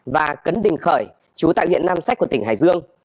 và cấn đình khởi chú tại huyện nam sách của tỉnh hải dương